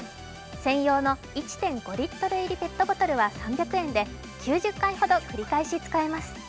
専用の１．５リットル入りペットボトルは３００円で９０回ほど繰り返し使えます。